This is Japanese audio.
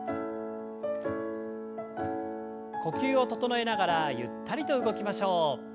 呼吸を整えながらゆったりと動きましょう。